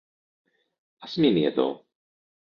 Ας μείνει εδώ.